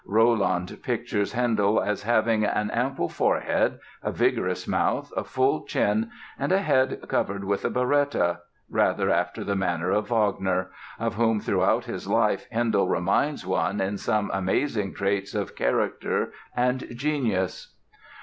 Rolland pictures Handel as having "an ample forehead, a vigorous mouth, a full chin and a head covered with a biretta" (rather after the manner of Wagner, of whom throughout his life Handel reminds one in some amazing traits of character and genius).